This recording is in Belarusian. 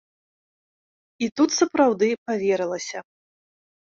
І тут сапраўды паверылася.